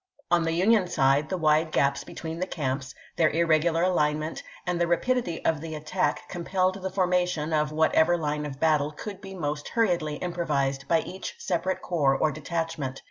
On the Union side the wide gaps between the camps, their irregular alignment, and the rapidity of the attack compelled the forma tion of whatever line of battle could be most hur riedly improvised by each separate corps or detach ment.